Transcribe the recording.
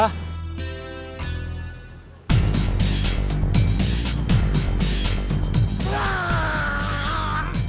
aku mau lihat